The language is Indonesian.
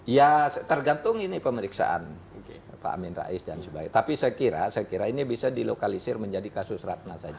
ya tergantung ini pemeriksaan pak amin rais dan sebagainya tapi saya kira saya kira ini bisa dilokalisir menjadi kasus ratna saja